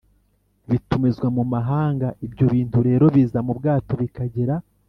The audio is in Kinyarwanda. bitumizwa mu mahanga, ibyo bintu rero biza mu bwato bikagera